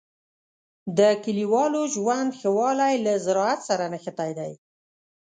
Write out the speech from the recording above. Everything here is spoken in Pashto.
د کلیوالو ژوند ښه والی له زراعت سره نښتی دی.